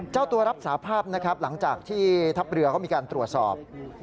เจ้าตัวรับสาภาพนะครับหลังจากที่ทัพเรือเขามีการตรวจสอบ